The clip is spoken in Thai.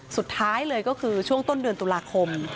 สุดท้ายเลยก็คือช่วงต้นเดือนตุลาคม